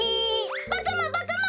ボクもボクも！